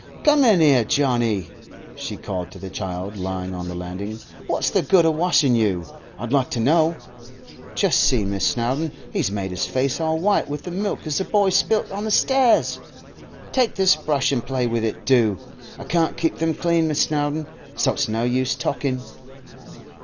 'Come in 'ere, Johnny,' she Called to the child lying on the landing. 'What's the good o' washin' you, I'd like to know? Just see, Miss Snowdon, he's made his face all white with the milk as the boy spilt on the stairs! Take this brush an' play with it, do! I can't keep 'em clean, Miss Snowdon, so it's no use talkin'.